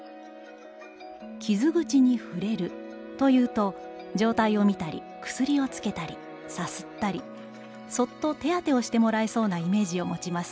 「傷口に『ふれる』というと、状態をみたり、薬をつけたり、さすったり、そっと手当てをしてもらえそうなイメージを持ちます。